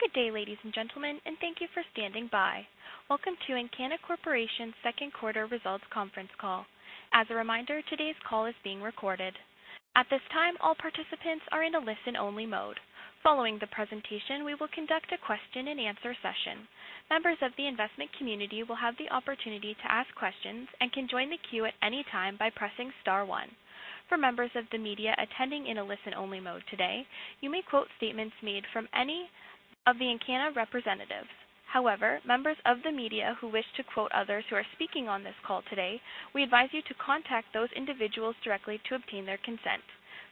Good day, ladies and gentlemen, and thank you for standing by. Welcome to Encana Corporation's second quarter results conference call. As a reminder, today's call is being recorded. At this time, all participants are in a listen-only mode. Following the presentation, we will conduct a question and answer session. Members of the investment community will have the opportunity to ask questions and can join the queue at any time by pressing star one. For members of the media attending in a listen-only mode today, you may quote statements made from any of the Encana representatives. Members of the media who wish to quote others who are speaking on this call today, we advise you to contact those individuals directly to obtain their consent.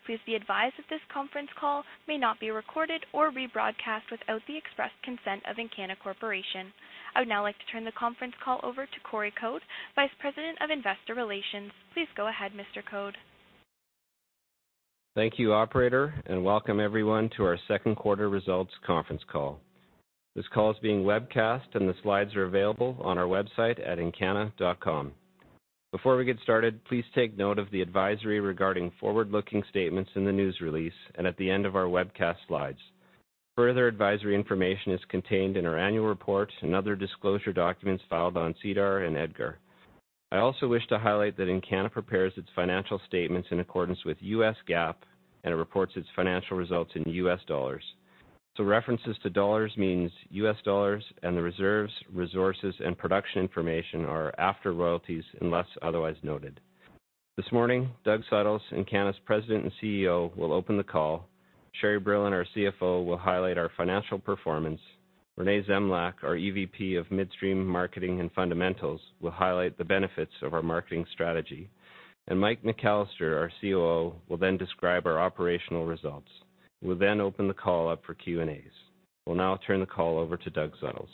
Please be advised that this conference call may not be recorded or rebroadcast without the express consent of Encana Corporation. I would now like to turn the conference call over to Corey Code, Vice President of Investor Relations. Please go ahead, Mr. Code. Thank you, operator, and welcome everyone to our second quarter results conference call. This call is being webcast, and the slides are available on our website at encana.com. Before we get started, please take note of the advisory regarding forward-looking statements in the news release and at the end of our webcast slides. Further advisory information is contained in our annual report and other disclosure documents filed on SEDAR and EDGAR. I also wish to highlight that Encana prepares its financial statements in accordance with U.S. GAAP and it reports its financial results in U.S. dollars. References to dollars means U.S. dollars and the reserves, resources, and production information are after royalties, unless otherwise noted. This morning, Doug Suttles, Encana's President and CEO, will open the call. Sherri Brillon, our CFO, will highlight our financial performance. Reneé Zemljak, our EVP of Midstream Marketing and Fundamentals, will highlight the benefits of our marketing strategy, and Michael McAllister, our COO, will then describe our operational results. We will then open the call up for Q&As. We will now turn the call over to Doug Suttles.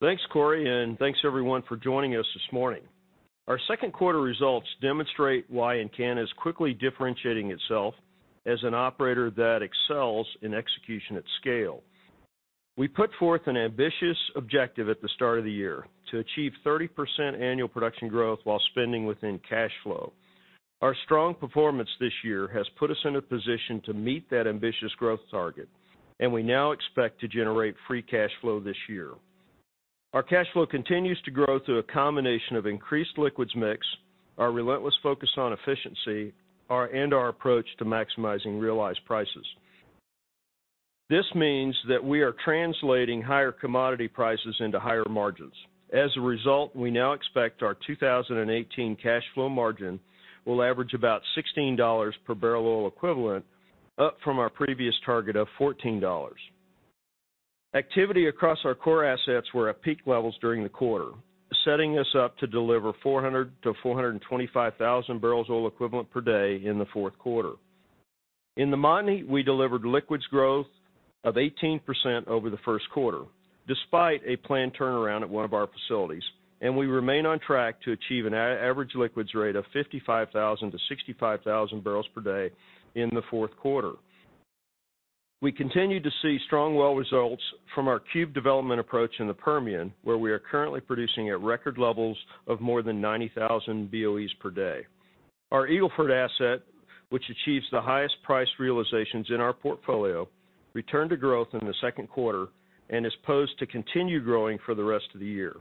Thanks, Corey, and thanks, everyone, for joining us this morning. Our second quarter results demonstrate why Encana is quickly differentiating itself as an operator that excels in execution at scale. We put forth an ambitious objective at the start of the year: to achieve 30% annual production growth while spending within cash flow. Our strong performance this year has put us in a position to meet that ambitious growth target. We now expect to generate free cash flow this year. Our cash flow continues to grow through a combination of increased liquids mix, our relentless focus on efficiency, and our approach to maximizing realized prices. This means that we are translating higher commodity prices into higher margins. As a result, we now expect our 2018 cash flow margin will average about $16 per barrel oil equivalent, up from our previous target of $14. Activity across our core assets were at peak levels during the quarter, setting us up to deliver 400,000 to 425,000 barrels oil equivalent per day in the fourth quarter. In the Montney, we delivered liquids growth of 18% over the first quarter, despite a planned turnaround at one of our facilities. We remain on track to achieve an average liquids rate of 55,000 to 65,000 barrels per day in the fourth quarter. We continue to see strong well results from our cube development approach in the Permian, where we are currently producing at record levels of more than 90,000 BOEs per day. Our Eagle Ford asset, which achieves the highest price realizations in our portfolio, returned to growth in the second quarter and is posed to continue growing for the rest of the year.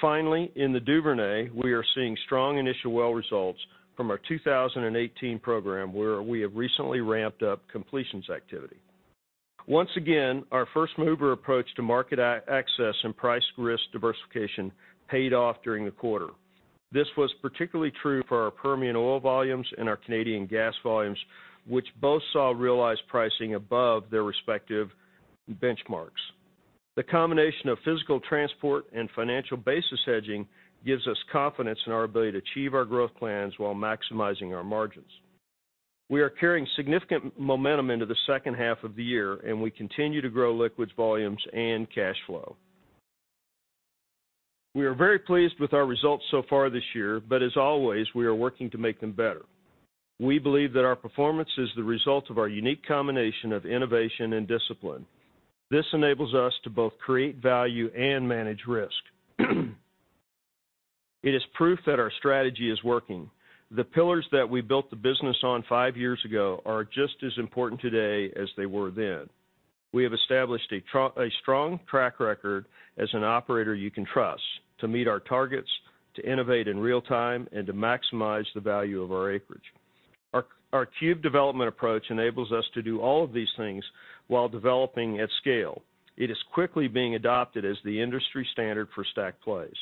Finally, in the Duvernay, we are seeing strong initial well results from our 2018 program, where we have recently ramped up completions activity. Once again, our first-mover approach to market access and price risk diversification paid off during the quarter. This was particularly true for our Permian oil volumes and our Canadian gas volumes, which both saw realized pricing above their respective benchmarks. The combination of physical transport and financial basis hedging gives us confidence in our ability to achieve our growth plans while maximizing our margins. We are carrying significant momentum into the second half of the year. We continue to grow liquids volumes and cash flow. We are very pleased with our results so far this year. As always, we are working to make them better. We believe that our performance is the result of our unique combination of innovation and discipline. This enables us to both create value and manage risk. It is proof that our strategy is working. The pillars that we built the business on five years ago are just as important today as they were then. We have established a strong track record as an operator you can trust to meet our targets, to innovate in real time, and to maximize the value of our acreage. Our cube development approach enables us to do all of these things while developing at scale. It is quickly being adopted as the industry standard for stack plays.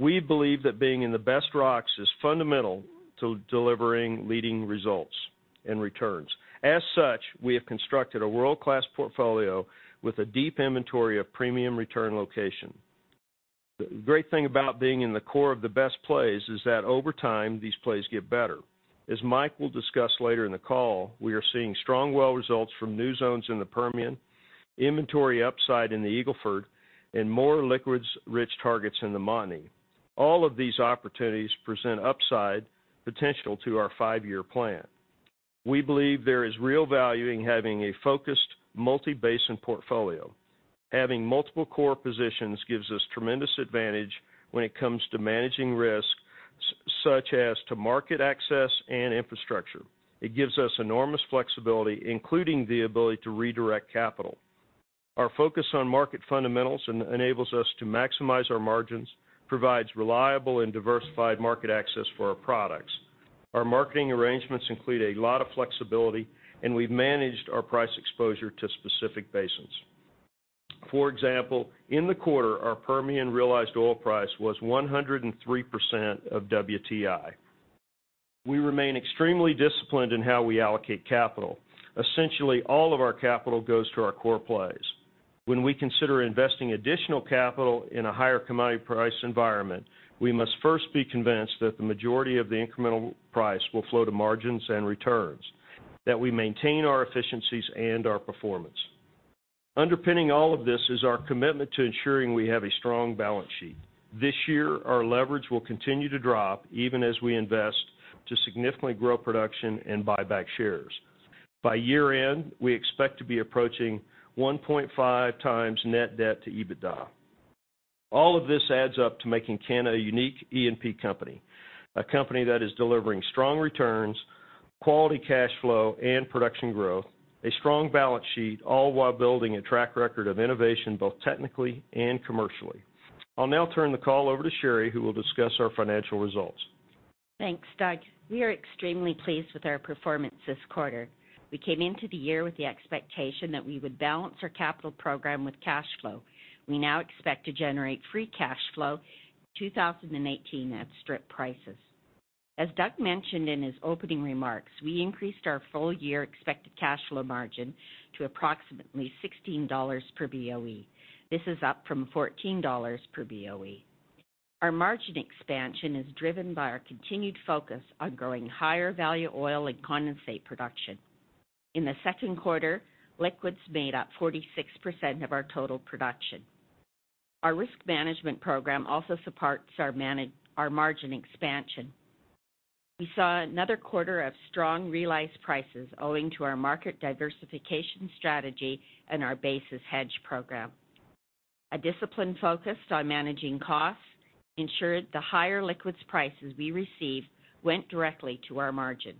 We believe that being in the best rocks is fundamental to delivering leading results and returns. As such, we have constructed a world-class portfolio with a deep inventory of premium return location. The great thing about being in the core of the best plays is that over time, these plays get better. As Mike will discuss later in the call, we are seeing strong well results from new zones in the Permian, inventory upside in the Eagle Ford, and more liquids-rich targets in the Montney. All of these opportunities present upside potential to our five-year plan. We believe there is real value in having a focused multi-basin portfolio. Having multiple core positions gives us tremendous advantage when it comes to managing risk such as to market access and infrastructure. It gives us enormous flexibility, including the ability to redirect capital. Our focus on market fundamentals enables us to maximize our margins, provides reliable and diversified market access for our products. Our marketing arrangements include a lot of flexibility, and we've managed our price exposure to specific basins. For example, in the quarter, our Permian realized oil price was 103% of WTI. We remain extremely disciplined in how we allocate capital. Essentially, all of our capital goes to our core plays. When we consider investing additional capital in a higher commodity price environment, we must first be convinced that the majority of the incremental price will flow to margins and returns, that we maintain our efficiencies and our performance. Underpinning all of this is our commitment to ensuring we have a strong balance sheet. This year, our leverage will continue to drop, even as we invest to significantly grow production and buy back shares. By year-end, we expect to be approaching 1.5 times net debt to EBITDA. All of this adds up to making Encana a unique E&P company, a company that is delivering strong returns, quality cash flow, and production growth, a strong balance sheet, all while building a track record of innovation, both technically and commercially. I'll now turn the call over to Sherri, who will discuss our financial results. Thanks, Doug. We are extremely pleased with our performance this quarter. We came into the year with the expectation that we would balance our capital program with cash flow. We now expect to generate free cash flow in 2018 at strip prices. As Doug mentioned in his opening remarks, we increased our full-year expected cash flow margin to approximately $16 per BOE. This is up from $14 per BOE. Our margin expansion is driven by our continued focus on growing higher-value oil and condensate production. In the second quarter, liquids made up 46% of our total production. Our risk management program also supports our margin expansion. We saw another quarter of strong realized prices owing to our market diversification strategy and our basis hedge program. A disciplined focus on managing costs ensured the higher liquids prices we received went directly to our margin.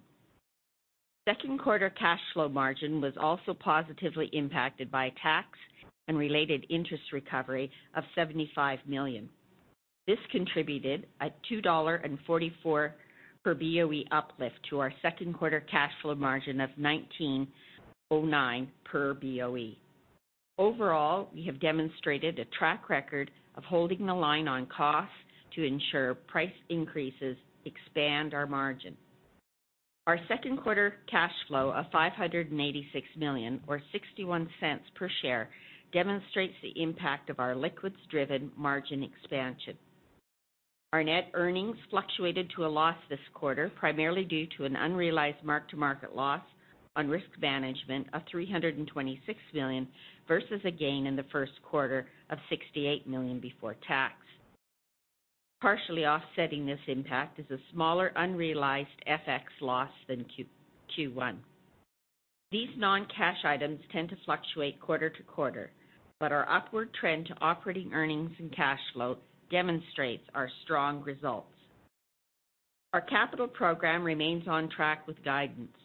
Second quarter cash flow margin was also positively impacted by tax and related interest recovery of $75 million. This contributed a $2.44 per BOE uplift to our second quarter cash flow margin of $19.09 per BOE. Overall, we have demonstrated a track record of holding the line on costs to ensure price increases expand our margin. Our second quarter cash flow of $586 million, or $0.61 per share, demonstrates the impact of our liquids-driven margin expansion. Our net earnings fluctuated to a loss this quarter, primarily due to an unrealized mark-to-market loss on risk management of $326 million versus a gain in the first quarter of $68 million before tax. Partially offsetting this impact is a smaller unrealized FX loss than Q1. These non-cash items tend to fluctuate quarter-to-quarter, but our upward trend to operating earnings and cash flow demonstrates our strong results. Our capital program remains on track with guidance.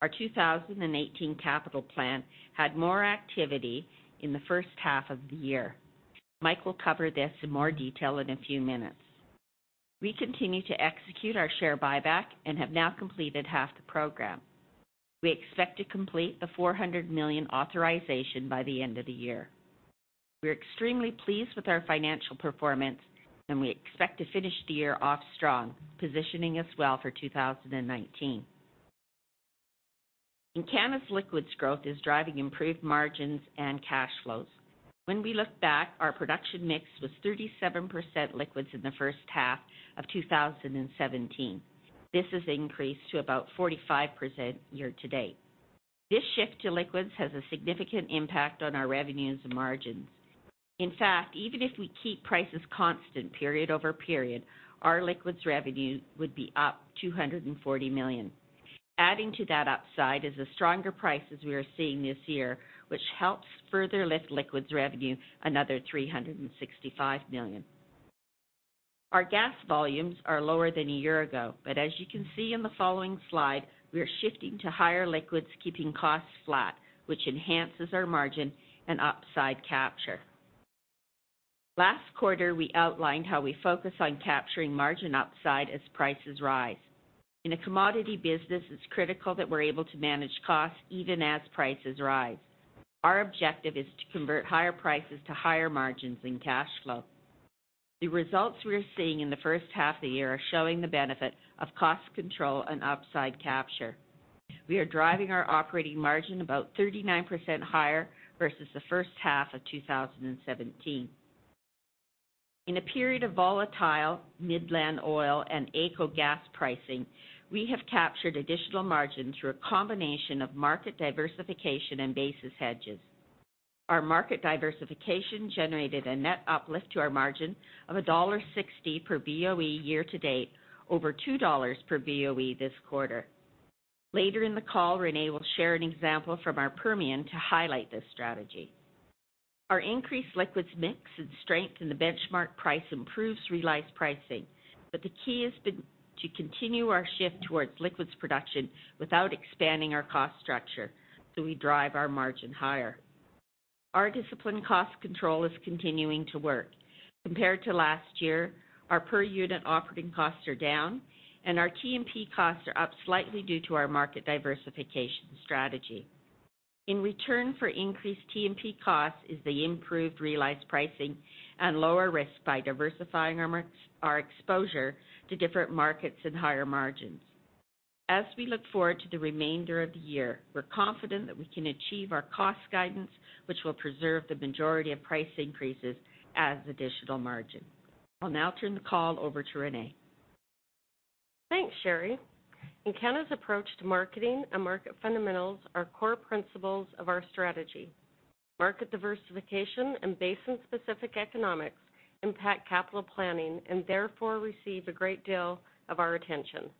Our 2018 capital plan had more activity in the first half of the year. Mike will cover this in more detail in a few minutes. We continue to execute our share buyback and have now completed half the program. We expect to complete the $400 million authorization by the end of the year. We are extremely pleased with our financial performance, and we expect to finish the year off strong, positioning us well for 2019. Encana's liquids growth is driving improved margins and cash flows. When we look back, our production mix was 37% liquids in the first half of 2017. This has increased to about 45% year-to-date. This shift to liquids has a significant impact on our revenues and margins. In fact, even if we keep prices constant period-over-period, our liquids revenue would be up $240 million. Adding to that upside is the stronger prices we are seeing this year, which helps further lift liquids revenue another $365 million. Our gas volumes are lower than a year ago, but as you can see in the following slide, we are shifting to higher liquids, keeping costs flat, which enhances our margin and upside capture. Last quarter, we outlined how we focus on capturing margin upside as prices rise. In a commodity business, it is critical that we are able to manage costs even as prices rise. Our objective is to convert higher prices to higher margins and cash flow. The results we are seeing in the first half of the year are showing the benefit of cost control and upside capture. We are driving our operating margin about 39% higher versus the first half of 2017. In a period of volatile Midland oil and AECO gas pricing, we have captured additional margin through a combination of market diversification and basis hedges. Our market diversification generated a net uplift to our margin of $1.60 per BOE year-to-date, over $2 per BOE this quarter. Later in the call, Reneé will share an example from our Permian to highlight this strategy. Our increased liquids mix and strength in the benchmark price improves realized pricing. The key has been to continue our shift towards liquids production without expanding our cost structure, we drive our margin higher. Our disciplined cost control is continuing to work. Compared to last year, our per-unit operating costs are down, and our T&P costs are up slightly due to our market diversification strategy. In return for increased T&P costs is the improved realized pricing and lower risk by diversifying our exposure to different markets and higher margins. As we look forward to the remainder of the year, we're confident that we can achieve our cost guidance, which will preserve the majority of price increases as additional margin. I'll now turn the call over to Reneé. Thanks, Sherri. Encana's approach to marketing and market fundamentals are core principles of our strategy. Market diversification and basin-specific economics impact capital planning and therefore receive a great deal of our attention.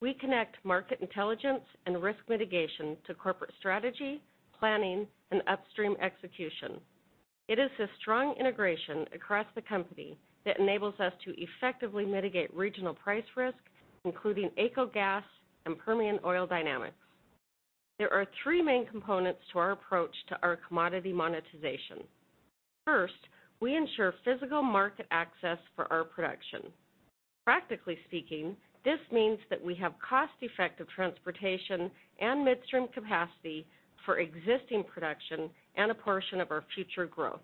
We connect market intelligence and risk mitigation to corporate strategy, planning, and upstream execution. It is this strong integration across the company that enables us to effectively mitigate regional price risk, including AECO gas and Permian oil dynamics. There are three main components to our approach to our commodity monetization. First, we ensure physical market access for our production. Practically speaking, this means that we have cost-effective transportation and midstream capacity for existing production and a portion of our future growth.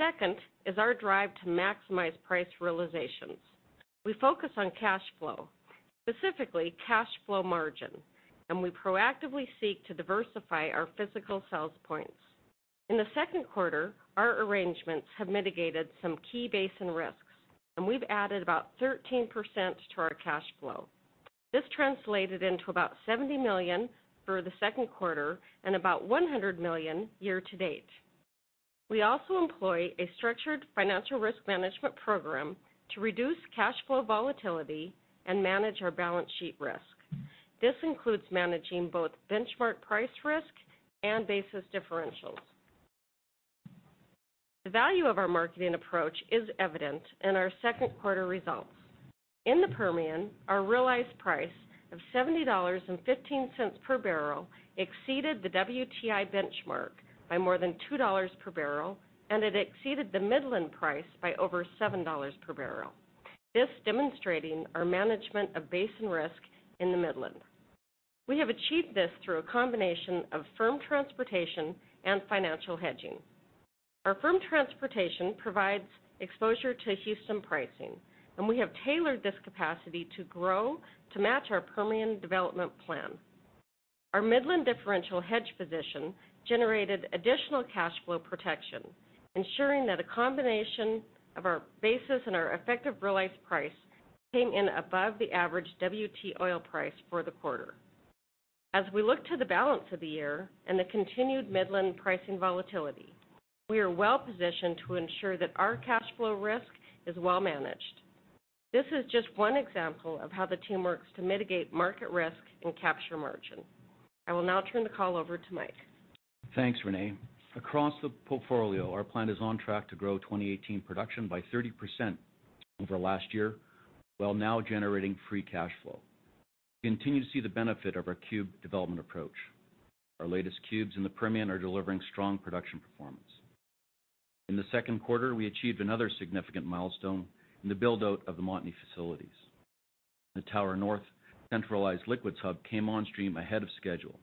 Second is our drive to maximize price realizations. We focus on cash flow, specifically cash flow margin, and we proactively seek to diversify our physical sales points. In the second quarter, our arrangements have mitigated some key basin risks, and we've added about 13% to our cash flow. This translated into about $70 million for the second quarter and about $100 million year-to-date. We also employ a structured financial risk management program to reduce cash flow volatility and manage our balance sheet risk. This includes managing both benchmark price risk and basis differentials. The value of our marketing approach is evident in our second quarter results. In the Permian, our realized price of $70.15 per barrel exceeded the WTI benchmark by more than $2 per barrel, and it exceeded the Midland price by over $7 per barrel. This demonstrating our management of basin risk in the Midland. We have achieved this through a combination of firm transportation and financial hedging. Our firm transportation provides exposure to Houston pricing, and we have tailored this capacity to grow to match our Permian development plan. Our Midland differential hedge position generated additional cash flow protection, ensuring that a combination of our basis and our effective realized price came in above the average WTI oil price for the quarter. As we look to the balance of the year and the continued Midland pricing volatility, we are well-positioned to ensure that our cash flow risk is well managed. This is just one example of how the team works to mitigate market risk and capture margin. I will now turn the call over to Mike. Thanks, Reneé. Across the portfolio, our plan is on track to grow 2018 production by 30% over last year, while now generating free cash flow. We continue to see the benefit of our cube development approach. Our latest cubes in the Permian are delivering strong production performance. In the second quarter, we achieved another significant milestone in the build-out of the Montney facilities. The Tower North centralized liquids hub came on stream ahead of schedule.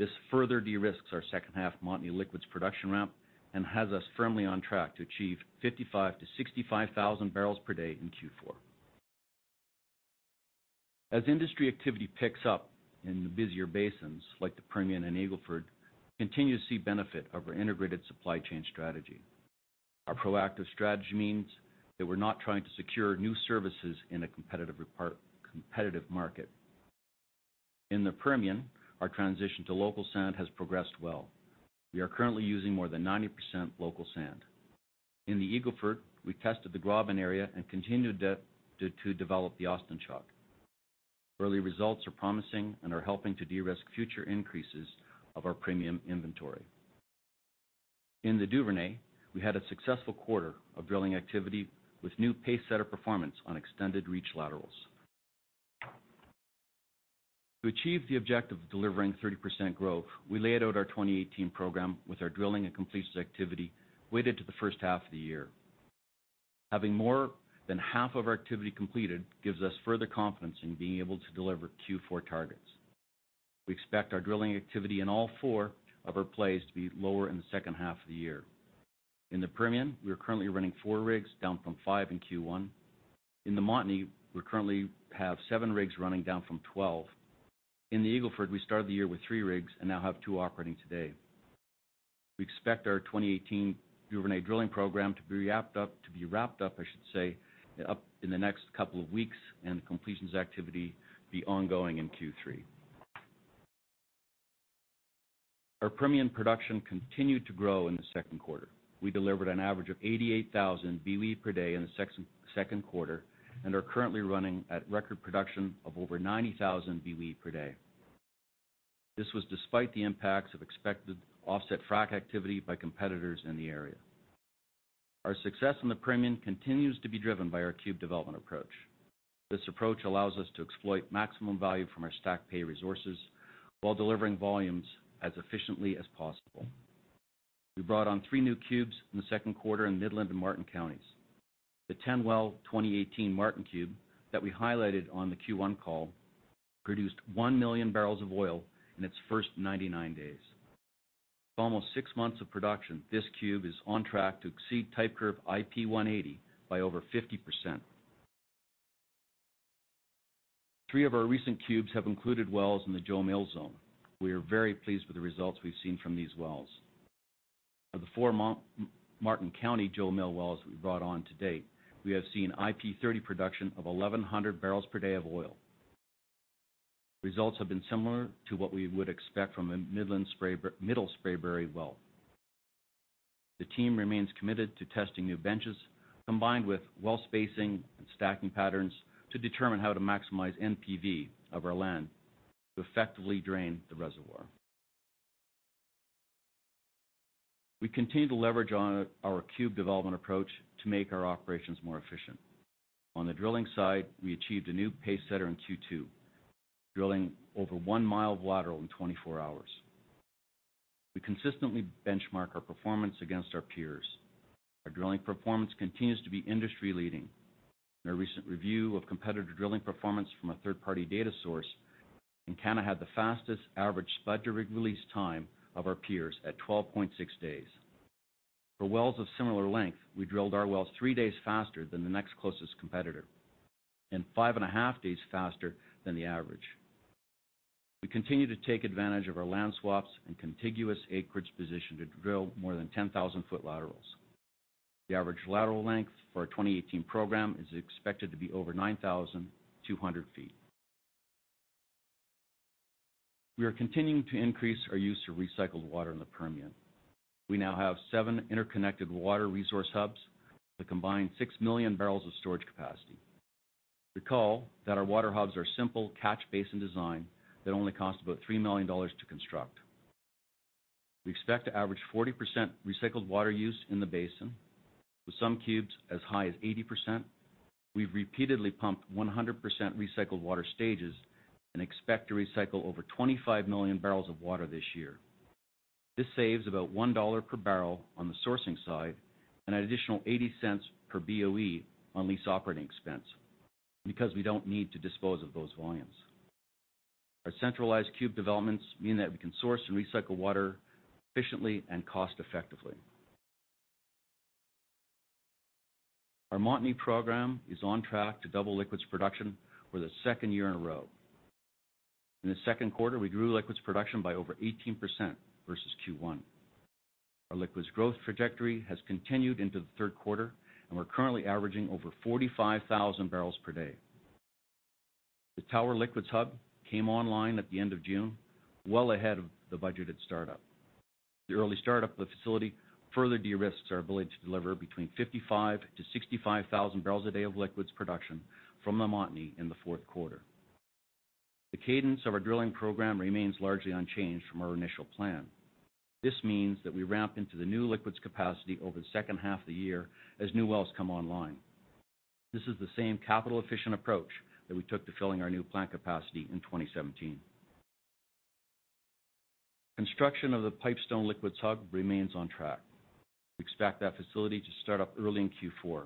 This further de-risks our second half Montney liquids production ramp and has us firmly on track to achieve 55,000-65,000 barrels per day in Q4. As industry activity picks up in the busier basins like the Permian and Eagle Ford, we continue to see benefit of our integrated supply chain strategy. Our proactive strategy means that we're not trying to secure new services in a competitive market. In the Permian, our transition to local sand has progressed well. We are currently using more than 90% local sand. In the Eagle Ford, we tested the Graben area and continued to develop the Austin Chalk. Early results are promising and are helping to de-risk future increases of our premium inventory. In the Duvernay, we had a successful quarter of drilling activity with new pace setter performance on extended reach laterals. To achieve the objective of delivering 30% growth, we laid out our 2018 program with our drilling and completions activity weighted to the first half of the year. Having more than half of our activity completed gives us further confidence in being able to deliver Q4 targets. We expect our drilling activity in all four of our plays to be lower in the second half of the year. In the Permian, we are currently running four rigs, down from five in Q1. In the Montney, we currently have seven rigs running, down from 12. In the Eagle Ford, we started the year with three rigs and now have two operating today. We expect our 2018 Duvernay drilling program to be wrapped up, I should say, in the next couple of weeks and the completions activity to be ongoing in Q3. Our Permian production continued to grow in the second quarter. We delivered an average of 88,000 BOE per day in the second quarter and are currently running at record production of over 90,000 BOE per day. This was despite the impacts of expected offset frac activity by competitors in the area. Our success in the Permian continues to be driven by our cube development approach. This approach allows us to exploit maximum value from our stack pay resources while delivering volumes as efficiently as possible. We brought on three new cubes in the second quarter in Midland and Martin Counties. The 10-well 2018 Martin cube that we highlighted on the Q1 call produced 1 million barrels of oil in its first 99 days. With almost six months of production, this cube is on track to exceed type curve IP 180 by over 50%. Three of our recent cubes have included wells in the Jo Mill zone. We are very pleased with the results we've seen from these wells. Of the four Martin County Jo Mill wells we brought on to date, we have seen IP 30 production of 1,100 barrels per day of oil. Results have been similar to what we would expect from a Middle Spraberry well. The team remains committed to testing new benches, combined with well spacing and stacking patterns, to determine how to maximize NPV of our land to effectively drain the reservoir. We continue to leverage on our cube development approach to make our operations more efficient. On the drilling side, we achieved a new pace setter in Q2, drilling over one mile of lateral in 24 hours. We consistently benchmark our performance against our peers. Our drilling performance continues to be industry leading. In a recent review of competitor drilling performance from a third-party data source, Encana had the fastest average spud to rig release time of our peers at 12.6 days. For wells of similar length, we drilled our wells three days faster than the next closest competitor and five and a half days faster than the average. We continue to take advantage of our land swaps and contiguous acreage position to drill more than 10,000-foot laterals. The average lateral length for our 2018 program is expected to be over 9,200 feet. We are continuing to increase our use of recycled water in the Permian. We now have seven interconnected water resource hubs that combine 6 million barrels of storage capacity. Recall that our water hubs are a simple catch basin design that only cost about $3 million to construct. We expect to average 40% recycled water use in the basin, with some cubes as high as 80%. We've repeatedly pumped 100% recycled water stages and expect to recycle over 25 million barrels of water this year. This saves about $1 per barrel on the sourcing side and an additional $0.80 per BOE on lease operating expense because we don't need to dispose of those volumes. Our centralized cube developments mean that we can source and recycle water efficiently and cost effectively. Our Montney program is on track to double liquids production for the second year in a row. In the second quarter, we grew liquids production by over 18% versus Q1. Our liquids growth trajectory has continued into the third quarter, and we're currently averaging over 45,000 barrels per day. The Tower liquids hub came online at the end of June, well ahead of the budgeted startup. The early startup of the facility further de-risks our ability to deliver between 55,000 to 65,000 barrels a day of liquids production from the Montney in the fourth quarter. The cadence of our drilling program remains largely unchanged from our initial plan. This means that we ramp into the new liquids capacity over the second half of the year as new wells come online. This is the same capital-efficient approach that we took to filling our new plant capacity in 2017. Construction of the Pipestone liquids hub remains on track. We expect that facility to start up early in Q4.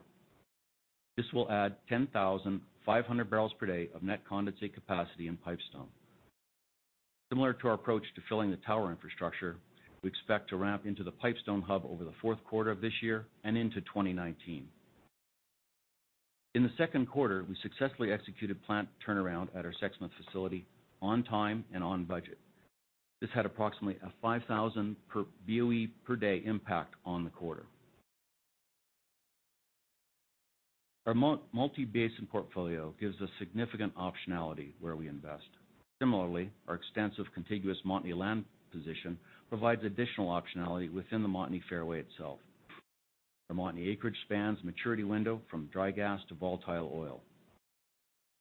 This will add 10,500 barrels per day of net condensate capacity in Pipestone. Similar to our approach to filling the Tower infrastructure, we expect to ramp into the Pipestone hub over the fourth quarter of this year and into 2019. In the second quarter, we successfully executed plant turnaround at our Sexsmith facility on time and on budget. This had approximately a 5,000 per BOE per day impact on the quarter. Our multi-basin portfolio gives us significant optionality where we invest. Similarly, our extensive contiguous Montney land position provides additional optionality within the Montney fairway itself. The Montney acreage spans maturity window from dry gas to volatile oil.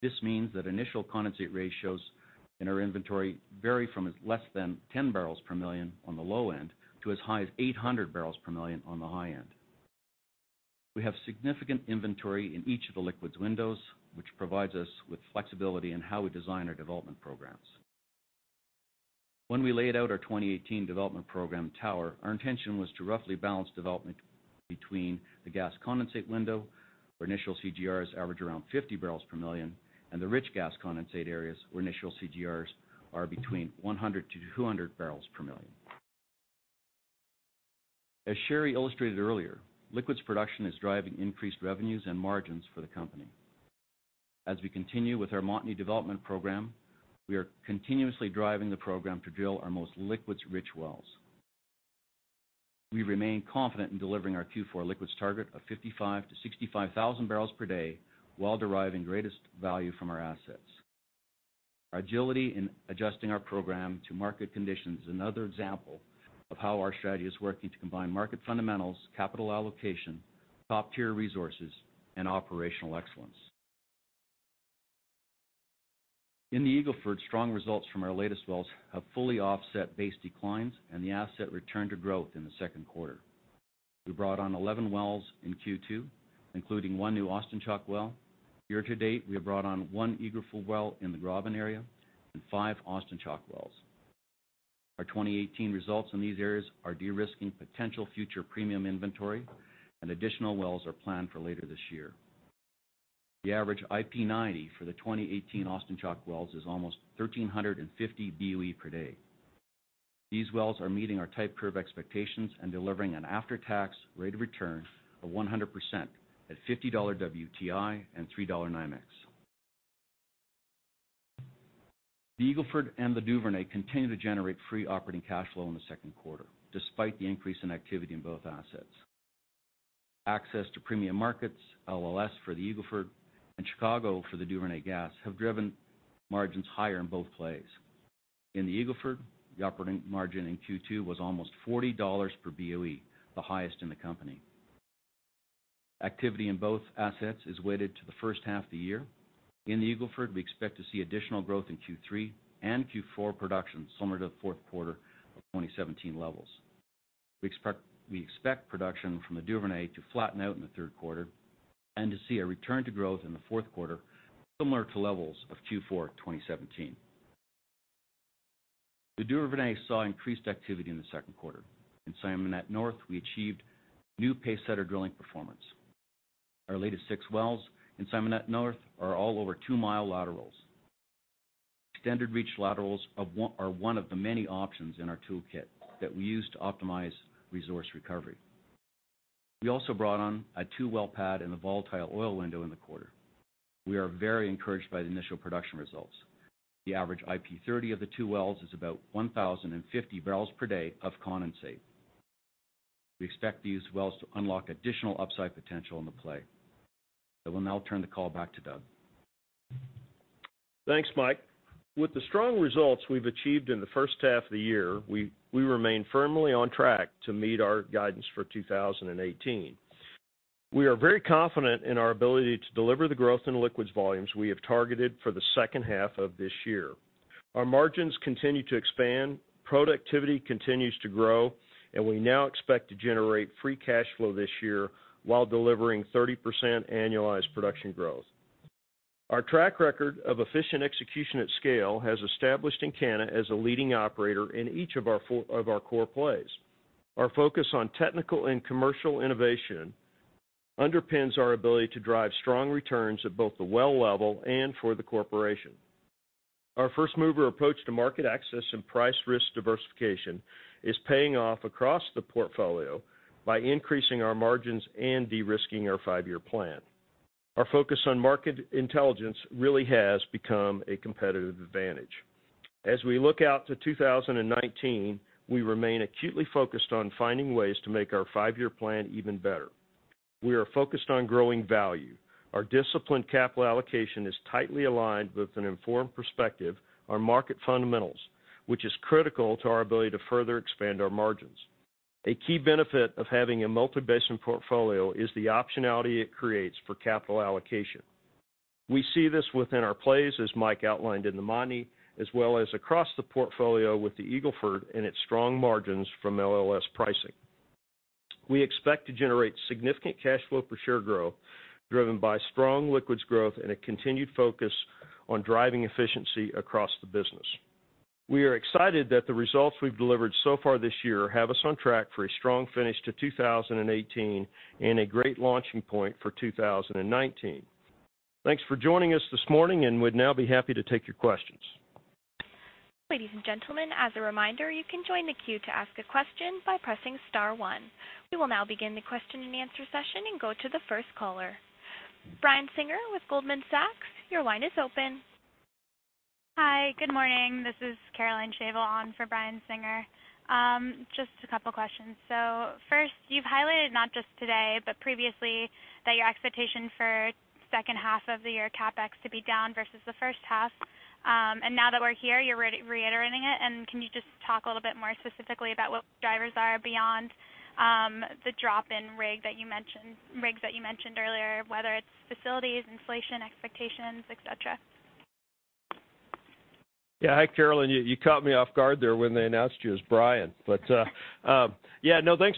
This means that initial condensate ratios in our inventory vary from less than 10 barrels per million on the low end, to as high as 800 barrels per million on the high end. We have significant inventory in each of the liquids windows, which provides us with flexibility in how we design our development programs. When we laid out our 2018 development program Tower, our intention was to roughly balance development between the gas condensate window, where initial CGRs average around 50 barrels per million, and the rich gas condensate areas, where initial CGRs are between 100 to 200 barrels per million. As Sherri illustrated earlier, liquids production is driving increased revenues and margins for the company. As we continue with our Montney development program, we are continuously driving the program to drill our most liquids-rich wells. We remain confident in delivering our Q4 liquids target of 55,000-65,000 barrels per day while deriving greatest value from our assets. Our agility in adjusting our program to market conditions is another example of how our strategy is working to combine market fundamentals, capital allocation, top-tier resources, and operational excellence. In the Eagle Ford, strong results from our latest wells have fully offset base declines and the asset returned to growth in the second quarter. We brought on 11 wells in Q2, including one new Austin Chalk well. Year to date, we have brought on one Eagle Ford well in the Graben area and five Austin Chalk wells. Our 2018 results in these areas are de-risking potential future premium inventory, and additional wells are planned for later this year. The average IP90 for the 2018 Austin Chalk wells is almost 1,350 BOE per day. These wells are meeting our type curve expectations and delivering an after-tax rate of return of 100% at $50 WTI and $3 NYMEX. The Eagle Ford and the Duvernay continue to generate free operating cash flow in the second quarter, despite the increase in activity in both assets. Access to premium markets, LLS for the Eagle Ford, and Chicago for the Duvernay gas, have driven margins higher in both plays. In the Eagle Ford, the operating margin in Q2 was almost $40 per BOE, the highest in the company. Activity in both assets is weighted to the first half of the year. In the Eagle Ford, we expect to see additional growth in Q3 and Q4 production similar to the fourth quarter of 2017 levels. We expect production from the Duvernay to flatten out in the third quarter, and to see a return to growth in the fourth quarter similar to levels of Q4 2017. The Duvernay saw increased activity in the second quarter. In Simonette North, we achieved new pace-setter drilling performance. Our latest six wells in Simonette North are all over two-mile laterals. Extended reach laterals are one of the many options in our toolkit that we use to optimize resource recovery. We also brought on a two-well pad in the volatile oil window in the quarter. We are very encouraged by the initial production results. The average IP30 of the two wells is about 1,050 barrels per day of condensate. We expect these wells to unlock additional upside potential in the play. I will now turn the call back to Doug. Thanks, Mike. With the strong results we've achieved in the first half of the year, we remain firmly on track to meet our guidance for 2018. We are very confident in our ability to deliver the growth in liquids volumes we have targeted for the second half of this year. Our margins continue to expand, productivity continues to grow, and we now expect to generate free cash flow this year while delivering 30% annualized production growth. Our track record of efficient execution at scale has established Encana as a leading operator in each of our core plays. Our focus on technical and commercial innovation underpins our ability to drive strong returns at both the well level and for the corporation. Our first-mover approach to market access and price risk diversification is paying off across the portfolio by increasing our margins and de-risking our five-year plan. Our focus on market intelligence really has become a competitive advantage. As we look out to 2019, we remain acutely focused on finding ways to make our five-year plan even better. We are focused on growing value. Our disciplined capital allocation is tightly aligned with an informed perspective on market fundamentals, which is critical to our ability to further expand our margins. A key benefit of having a multi-basin portfolio is the optionality it creates for capital allocation. We see this within our plays, as Mike outlined in the Montney, as well as across the portfolio with the Eagle Ford and its strong margins from LLS pricing. We expect to generate significant cash flow per share growth, driven by strong liquids growth and a continued focus on driving efficiency across the business. We are excited that the results we've delivered so far this year have us on track for a strong finish to 2018 and a great launching point for 2019. Thanks for joining us this morning, we'd now be happy to take your questions. Ladies and gentlemen, as a reminder, you can join the queue to ask a question by pressing *1. We will now begin the question-and-answer session and go to the first caller. Brian Singer with Goldman Sachs, your line is open. Hi, good morning. This is Caroline Shavel on for Brian Singer. Just a couple of questions. First, you've highlighted, not just today but previously, that your expectation for second half of the year CapEx to be down versus the first half. Now that we're here, you're reiterating it, and can you just talk a little bit more specifically about what drivers are beyond the drop in rigs that you mentioned earlier, whether it's facilities, inflation expectations, et cetera? Hi, Caroline. You caught me off guard there when they announced you as Brian. Thanks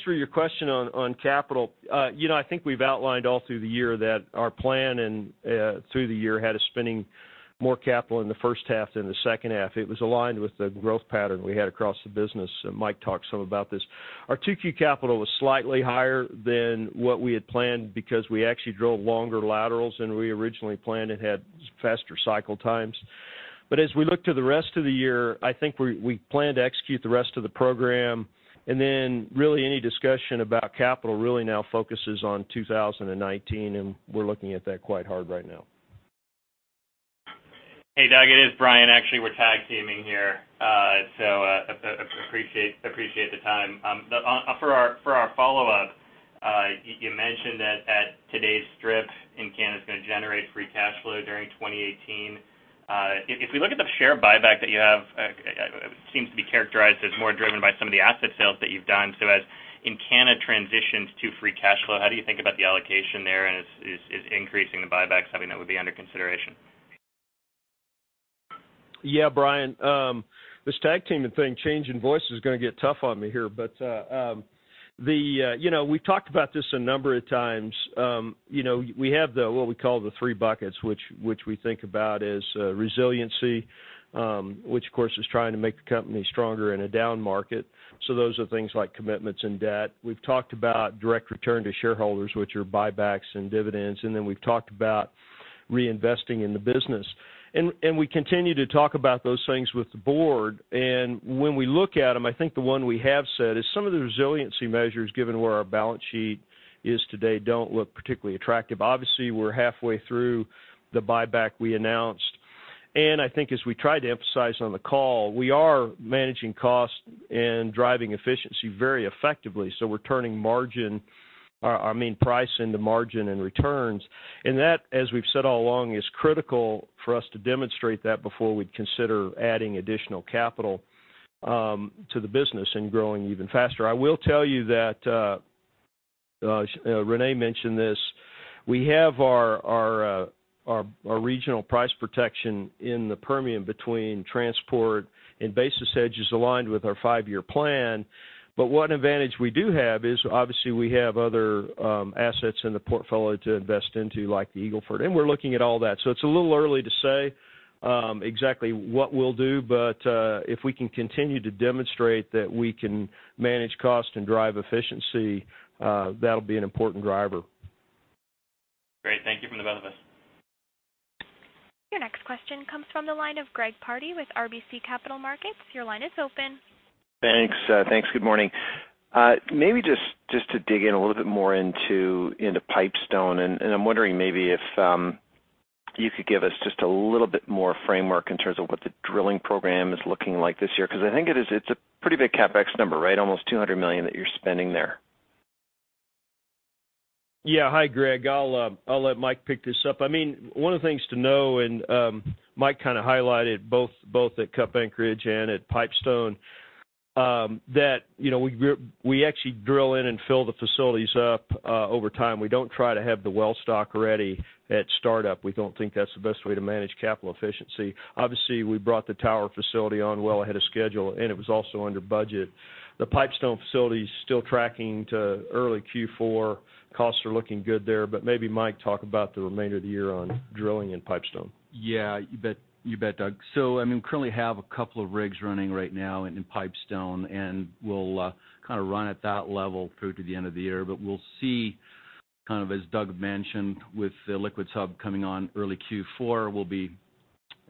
for your question on capital. I think we've outlined all through the year that our plan through the year had us spending more capital in the first half than the second half. It was aligned with the growth pattern we had across the business, and Mike talked some about this. Our 2Q capital was slightly higher than what we had planned because we actually drove longer laterals than we originally planned. It had faster cycle times. As we look to the rest of the year, I think we plan to execute the rest of the program. Then really any discussion about capital really now focuses on 2019, and we're looking at that quite hard right now. Hey, Doug. It is Brian, actually. We're tag teaming here. Appreciate the time. For our follow-up, you mentioned that at today's strip, Encana's going to generate free cash flow during 2018. If we look at the share buyback that you have- Seems to be characterized as more driven by some of the asset sales that you've done. As Encana transitions to free cash flow, how do you think about the allocation there? Is increasing the buybacks something that would be under consideration? Yeah, Brian. This tag teaming thing, changing voice is going to get tough on me here. We've talked about this a number of times. We have what we call the three buckets, which we think about as resiliency, which, of course, is trying to make the company stronger in a down market. Those are things like commitments and debt. We've talked about direct return to shareholders, which are buybacks and dividends, and then we've talked about reinvesting in the business. We continue to talk about those things with the board. When we look at them, I think the one we have said is some of the resiliency measures, given where our balance sheet is today, don't look particularly attractive. Obviously, we're halfway through the buyback we announced, and I think as we tried to emphasize on the call, we are managing costs and driving efficiency very effectively. We're turning price into margin and returns. That, as we've said all along, is critical for us to demonstrate that before we'd consider adding additional capital to the business and growing even faster. I will tell you that, Reneé mentioned this, we have our regional price protection in the Permian between transport and basis hedges aligned with our five-year plan. One advantage we do have is, obviously, we have other assets in the portfolio to invest into, like the Eagle Ford, and we're looking at all that. It's a little early to say exactly what we'll do, but if we can continue to demonstrate that we can manage cost and drive efficiency, that'll be an important driver. Great. Thank you from the both of us. Your next question comes from the line of Greg Pardy with RBC Capital Markets. Your line is open. Thanks. Good morning. Maybe just to dig in a little bit more into Pipestone, I'm wondering maybe if you could give us just a little bit more framework in terms of what the drilling program is looking like this year, because I think it's a pretty big CapEx number, right? Almost $200 million that you're spending there. Yeah. Hi, Greg. I'll let Mike pick this up. One of the things to know, Mike kind of highlighted both at Cutbank Ridge and at Pipestone, that we actually drill in and fill the facilities up over time. We don't try to have the well stock ready at startup. We don't think that's the best way to manage capital efficiency. Obviously, we brought the tower facility on well ahead of schedule, and it was also under budget. The Pipestone facility's still tracking to early Q4. Costs are looking good there. Maybe, Mike, talk about the remainder of the year on drilling in Pipestone. Yeah. You bet, Doug. We currently have a couple of rigs running right now in Pipestone, we'll kind of run at that level through to the end of the year. We'll see, as Doug mentioned, with the liquids hub coming on early Q4, we'll be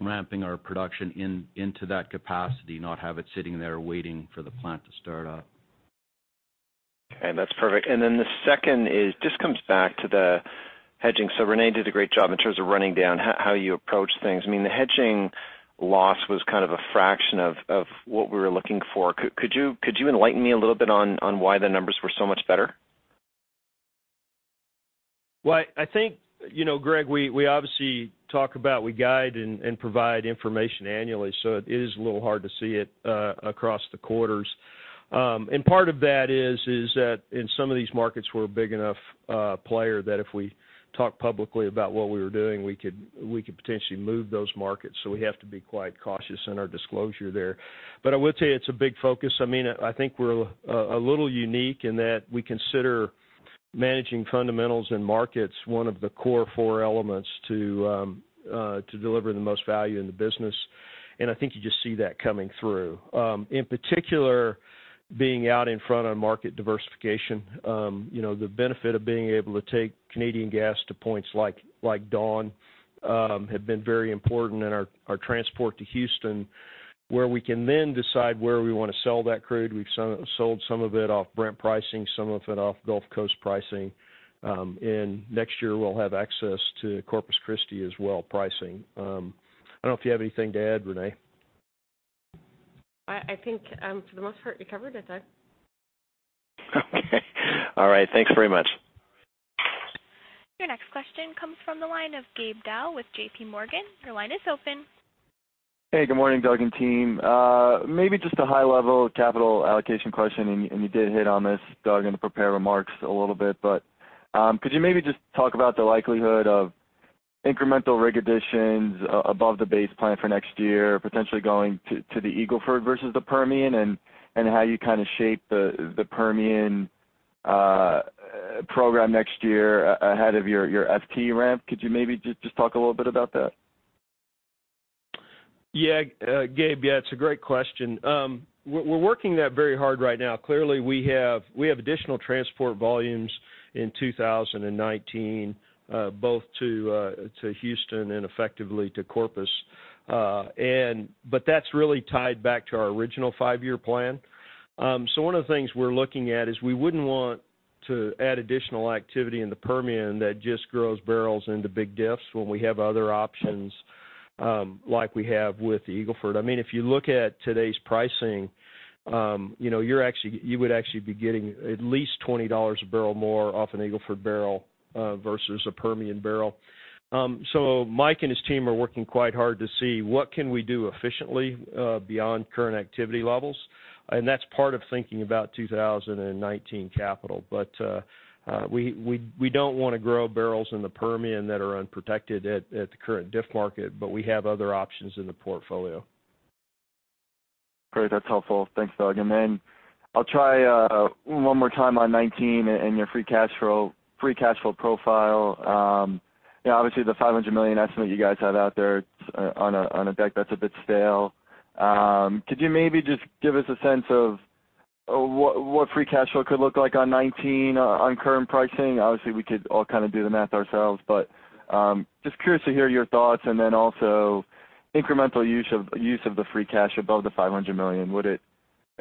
ramping our production into that capacity, not have it sitting there waiting for the plant to start up. Okay, that's perfect. The second just comes back to the hedging. Reneé did a great job in terms of running down how you approach things. The hedging loss was kind of a fraction of what we were looking for. Could you enlighten me a little bit on why the numbers were so much better? Well, I think, Greg, we obviously guide and provide information annually, so it is a little hard to see it across the quarters. Part of that is that in some of these markets, we're a big enough player that if we talk publicly about what we were doing, we could potentially move those markets. We have to be quite cautious in our disclosure there. I will tell you it's a big focus. I think we're a little unique in that we consider managing fundamentals and markets one of the core four elements to deliver the most value in the business. I think you just see that coming through. In particular, being out in front on market diversification. The benefit of being able to take Canadian gas to points like Dawn have been very important, and our transport to Houston, where we can then decide where we want to sell that crude. We've sold some of it off Brent pricing, some of it off Gulf Coast pricing. Next year, we'll have access to Corpus Christi as well, pricing. I don't know if you have anything to add, Reneé? I think for the most part you covered it, Doug. Okay. All right. Thanks very much. Your next question comes from the line of Gabe Daoud with JPMorgan. Your line is open. Hey, good morning, Doug and team. Maybe just a high-level capital allocation question, you did hit on this, Doug, in the prepared remarks a little bit. Could you maybe just talk about the likelihood of incremental rig additions above the base plan for next year, potentially going to the Eagle Ford versus the Permian, and how you kind of shape the Permian program next year ahead of your FT ramp? Could you maybe just talk a little bit about that? Yeah. Gabe, yeah, it's a great question. We're working that very hard right now. Clearly, we have additional transport volumes in 2019, both to Houston and effectively to Corpus. That's really tied back to our original five-year plan. One of the things we're looking at is we wouldn't want to add additional activity in the Permian that just grows barrels into big diffs when we have other options Like we have with the Eagle Ford. If you look at today's pricing, you would actually be getting at least $20 a barrel more off an Eagle Ford barrel versus a Permian barrel. Mike and his team are working quite hard to see what can we do efficiently beyond current activity levels. That's part of thinking about 2019 capital. We don't want to grow barrels in the Permian that are unprotected at the current diff market, but we have other options in the portfolio. Great. That's helpful. Thanks, Doug. Then I'll try one more time on 2019 and your free cash flow profile. Obviously, the $500 million estimate you guys have out there on a deck that's a bit stale. Could you maybe just give us a sense of what free cash flow could look like on 2019 on current pricing? Obviously, we could all do the math ourselves, but just curious to hear your thoughts, then also incremental use of the free cash above the $500 million.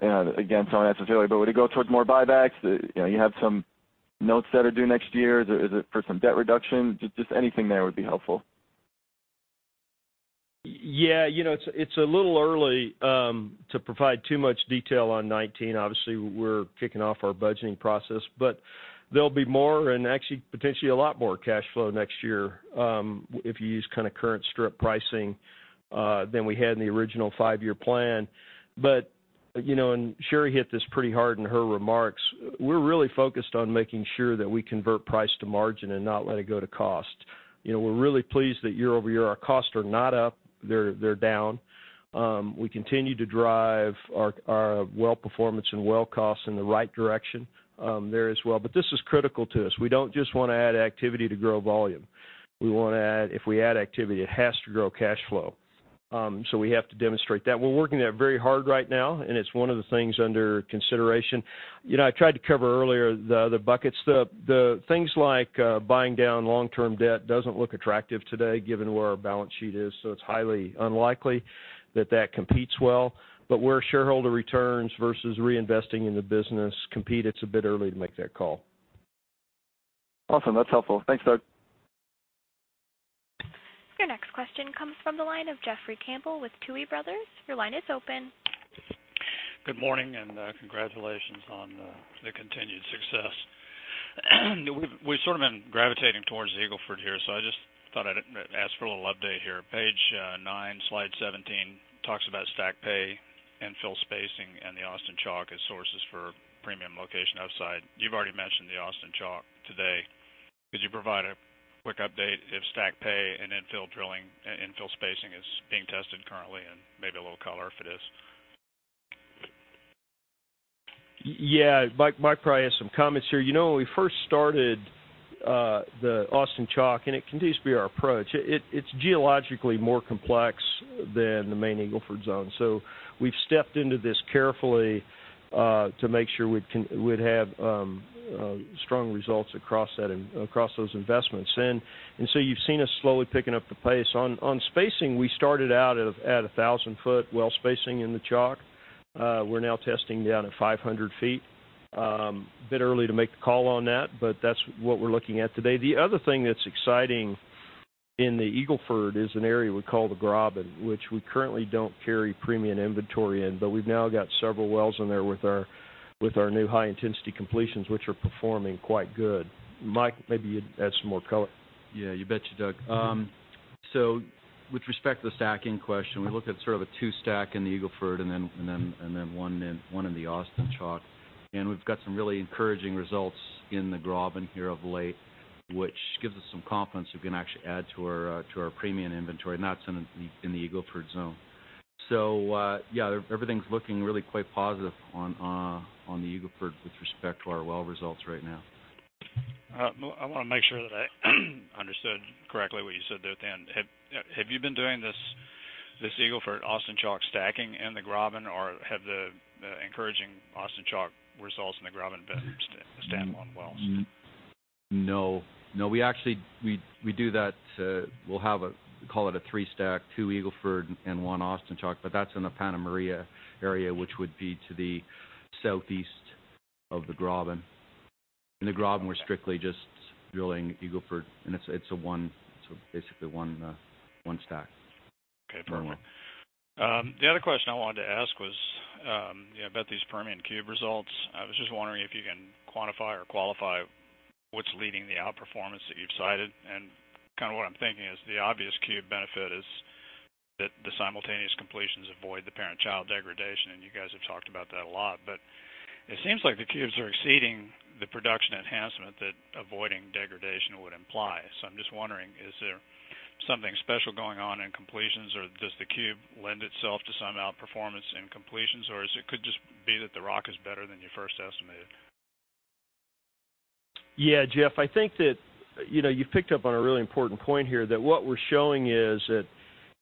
Again, it's not necessary, but would it go towards more buybacks? You have some notes that are due next year. Is it for some debt reduction? Just anything there would be helpful. Yeah. It's a little early to provide too much detail on 2019. Obviously, we're kicking off our budgeting process. There'll be more, and actually, potentially a lot more cash flow next year if you use current strip pricing than we had in the original five-year plan. Sherri hit this pretty hard in her remarks, we're really focused on making sure that we convert price to margin and not let it go to cost. We're really pleased that year-over-year our costs are not up, they're down. We continue to drive our well performance and well costs in the right direction there as well. This is critical to us. We don't just want to add activity to grow volume. If we add activity, it has to grow cash flow. We have to demonstrate that. We're working that very hard right now, and it's one of the things under consideration. I tried to cover earlier the other buckets. The things like buying down long-term debt doesn't look attractive today given where our balance sheet is, so it's highly unlikely that that competes well. Where shareholder returns versus reinvesting in the business compete, it's a bit early to make that call. Awesome. That's helpful. Thanks, Doug. Your next question comes from the line of Jeffrey Campbell with Tuohy Brothers. Your line is open. Good morning. Congratulations on the continued success. We've sort of been gravitating towards Eagle Ford here. I just thought I'd ask for a little update here. Page nine, slide 17 talks about stack pay, infill spacing, and the Austin Chalk as sources for premium location upside. You've already mentioned the Austin Chalk today. Could you provide a quick update if stack pay and infill spacing is being tested currently, maybe a little color if it is? Yeah. Mike probably has some comments here. When we first started the Austin Chalk, it continues to be our approach, it's geologically more complex than the main Eagle Ford zone. We've stepped into this carefully to make sure we'd have strong results across those investments. You've seen us slowly picking up the pace. On spacing, we started out at 1,000 foot well spacing in the Chalk. We're now testing down at 500 feet. A bit early to make the call on that's what we're looking at today. The other thing that's exciting in the Eagle Ford is an area we call the Graben, which we currently don't carry premium inventory in, we've now got several wells in there with our new high-intensity completions, which are performing quite good. Mike, maybe you'd add some more color. Yeah. You bet you, Doug. With respect to the stacking question, we looked at sort of a two-stack in the Eagle Ford then one in the Austin Chalk. We've got some really encouraging results in the Graben here of late, which gives us some confidence we can actually add to our premium inventory, not in the Eagle Ford zone. Yeah, everything's looking really quite positive on the Eagle Ford with respect to our well results right now. I want to make sure that I understood correctly what you said there at the end. Have you been doing this Eagle Ford, Austin Chalk stacking in the Graben, or have the encouraging Austin Chalk results in the Graben been standalone wells? No. We do that, we'll have a, call it a three-stack, two Eagle Ford and one Austin Chalk, but that's in the Panna Maria area, which would be to the southeast of the Graben. In the Graben, we're strictly just drilling Eagle Ford, and it's basically one stack. Okay. Permian. The other question I wanted to ask was about these Permian cube results. I was just wondering if you can quantify or qualify what's leading the outperformance that you've cited. Kind of what I'm thinking is the obvious cube benefit is that the simultaneous completions avoid the parent-child degradation, and you guys have talked about that a lot. It seems like the cubes are exceeding the production enhancement that avoiding degradation would imply. I'm just wondering, is there something special going on in completions, or does the cube lend itself to some outperformance in completions, or it could just be that the rock is better than you first estimated? Yeah, Jeff. I think that you've picked up on a really important point here, that what we're showing is that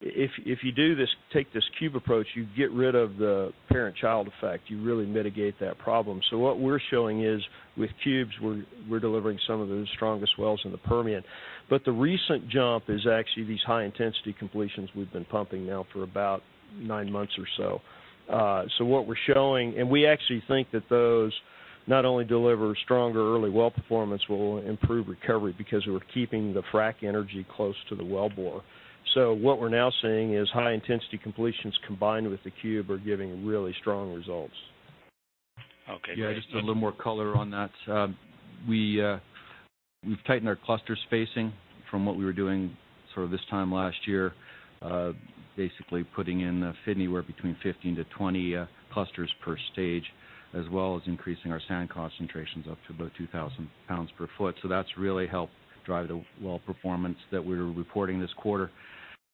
if you take this cube approach, you get rid of the parent-child effect. You really mitigate that problem. What we're showing is with cubes, we're delivering some of the strongest wells in the Permian. The recent jump is actually these high-intensity completions we've been pumping now for about nine months or so. We actually think that those not only deliver stronger early well performance will improve recovery because we're keeping the frac energy close to the wellbore. What we're now seeing is high-intensity completions combined with the cube are giving really strong results. Okay, great. Just a little more color on that. We've tightened our cluster spacing from what we were doing this time last year. Basically putting in anywhere between 15-20 clusters per stage, as well as increasing our sand concentrations up to about 2,000 pounds per foot. That's really helped drive the well performance that we're reporting this quarter.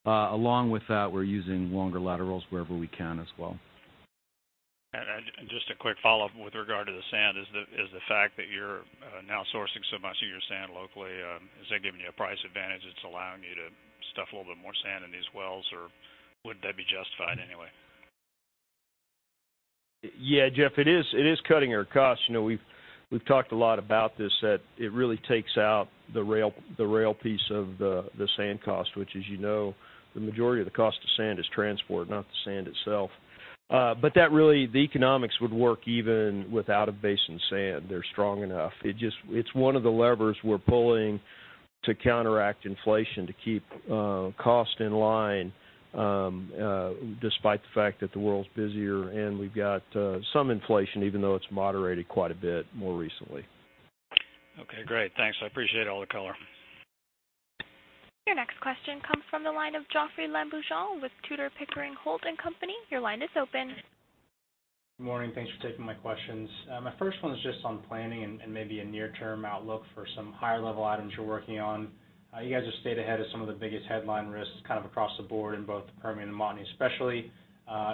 Along with that, we're using longer laterals wherever we can as well. Just a quick follow-up with regard to the sand, is the fact that you're now sourcing so much of your sand locally, is that giving you a price advantage that's allowing you to stuff a little bit more sand in these wells, or would that be justified anyway? Jeff, it is cutting our costs. We've talked a lot about this, that it really takes out the rail piece of the sand cost, which as you know, the majority of the cost of sand is transport, not the sand itself. The economics would work even without a basin sand. They're strong enough. It's one of the levers we're pulling to counteract inflation to keep cost in line, despite the fact that the world's busier, and we've got some inflation, even though it's moderated quite a bit more recently. Okay, great. Thanks. I appreciate all the color. Your next question comes from the line of Jeoffrey Lambujon with Tudor, Pickering, Holt & Co.. Your line is open. Good morning. Thanks for taking my questions. My first one is just on planning and maybe a near-term outlook for some higher-level items you're working on. You guys have stayed ahead of some of the biggest headline risks across the board in both the Permian and Montney, especially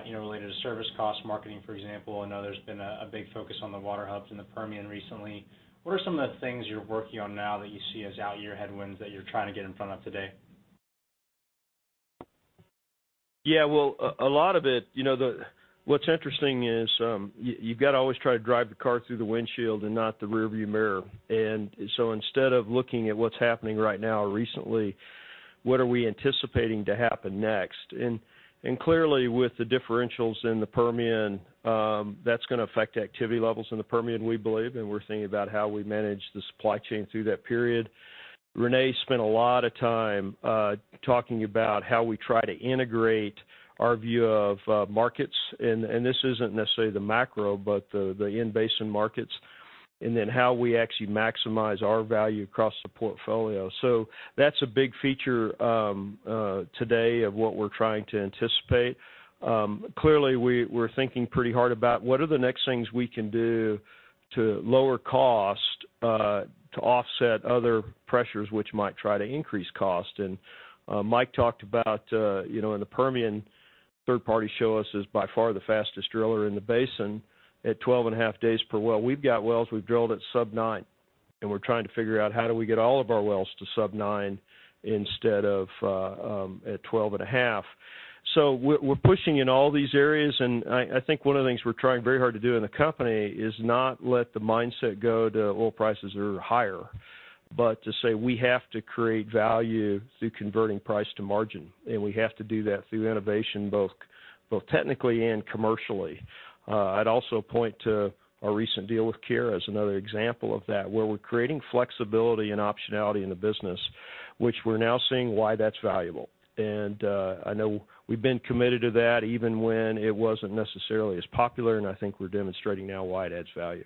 related to service cost marketing, for example. I know there's been a big focus on the water hubs in the Permian recently. What are some of the things you're working on now that you see as out-year headwinds that you're trying to get in front of today? Yeah, well, what's interesting is you've got to always try to drive the car through the windshield and not the rearview mirror. Instead of looking at what's happening right now or recently, what are we anticipating to happen next? Clearly, with the differentials in the Permian, that's going to affect activity levels in the Permian, we believe, and we're thinking about how we manage the supply chain through that period. Reneé spent a lot of time talking about how we try to integrate our view of markets, and this isn't necessarily the macro, but the in-basin markets, and then how we actually maximize our value across the portfolio. That's a big feature today of what we're trying to anticipate. Clearly, we're thinking pretty hard about what are the next things we can do to lower cost to offset other pressures which might try to increase cost. Mike talked about in the Permian, third parties show us as by far the fastest driller in the basin at 12.5 days per well. We've got wells we've drilled at sub 9, and we're trying to figure out how do we get all of our wells to sub 9 instead of at 12.5. We're pushing in all these areas, I think one of the things we're trying very hard to do in the company is not let the mindset go to oil prices are higher, but to say we have to create value through converting price to margin, and we have to do that through innovation, both technically and commercially. I'd also point to our recent deal with Keyera as another example of that, where we're creating flexibility and optionality in the business, which we're now seeing why that's valuable. I know we've been committed to that even when it wasn't necessarily as popular, I think we're demonstrating now why it adds value.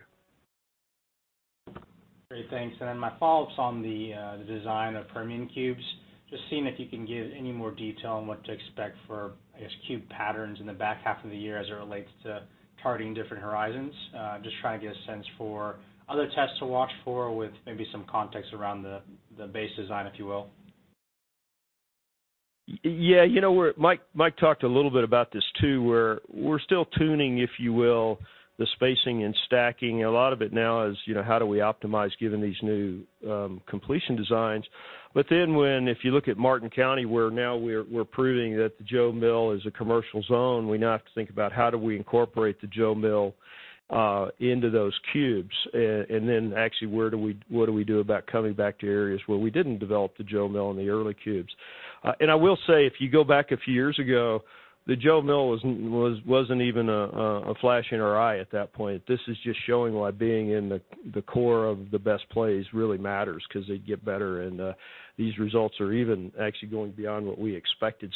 Great, thanks. My follow-up's on the design of Permian cubes. Just seeing if you can give any more detail on what to expect for, I guess, cube patterns in the back half of the year as it relates to targeting different horizons. Just trying to get a sense for other tests to watch for with maybe some context around the base design, if you will. Yeah. Mike talked a little bit about this too, where we're still tuning, if you will, the spacing and stacking. A lot of it now is how do we optimize given these new completion designs. If you look at Martin County, where now we're proving that the Jo Mill is a commercial zone, we now have to think about how do we incorporate the Jo Mill into those cubes, actually, what do we do about coming back to areas where we didn't develop the Jo Mill in the early cubes? I will say, if you go back a few years ago, the Jo Mill wasn't even a flash in our eye at that point. This is just showing why being in the core of the best plays really matters because they get better, these results are even actually going beyond what we expected.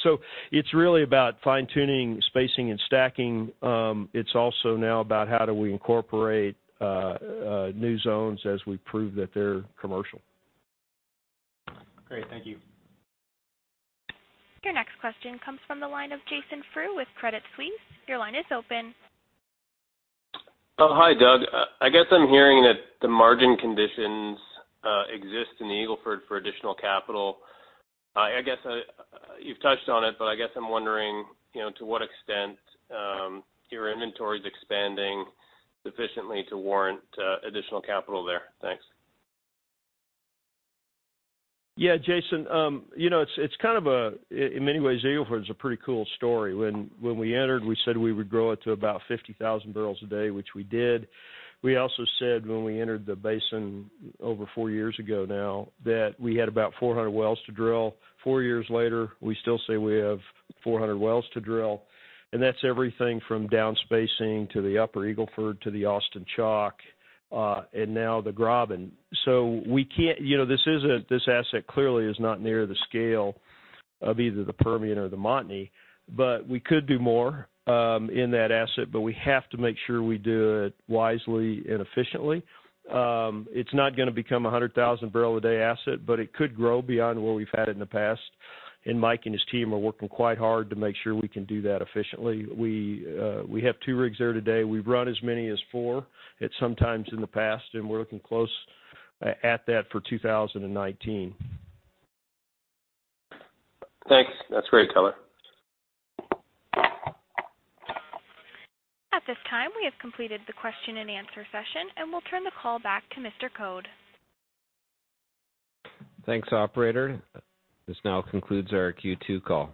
It's really about fine-tuning, spacing, and stacking. It's also now about how do we incorporate new zones as we prove that they're commercial. Great. Thank you. Your next question comes from the line of Jason Frew with Credit Suisse. Your line is open. Hi, Doug. I guess I'm hearing that the margin conditions exist in the Eagle Ford for additional capital. You've touched on it, but I guess I'm wondering to what extent your inventory is expanding sufficiently to warrant additional capital there. Thanks. Yeah. Jason, in many ways, Eagle Ford's a pretty cool story. When we entered, we said we would grow it to about 50,000 barrels a day, which we did. We also said when we entered the basin over four years ago now, that we had about 400 wells to drill. Four years later, we still say we have 400 wells to drill, and that's everything from down-spacing to the Upper Eagle Ford to the Austin Chalk, and now the Graben. This asset clearly is not near the scale of either the Permian or the Montney, but we could do more in that asset, but we have to make sure we do it wisely and efficiently. It's not going to become 100,000-barrel-a-day asset, but it could grow beyond where we've had it in the past, and Mike and his team are working quite hard to make sure we can do that efficiently. We have two rigs there today. We've run as many as four at some times in the past, and we're looking close at that for 2019. Thanks. That's great color. At this time, we have completed the question and answer session, and we'll turn the call back to Mr. Code. Thanks, operator. This now concludes our Q2 call.